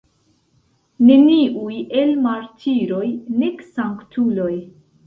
Neniuj el martiroj, nek sanktuloj.